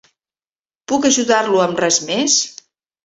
Puc ajudar-lo amb res més?